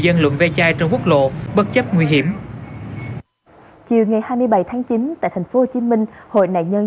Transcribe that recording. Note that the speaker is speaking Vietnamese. đàn ông về chai trên quốc lộ bất chấp nguy hiểm chiều ngày hai mươi bảy tháng chín tại tp hcm hội nạn nhân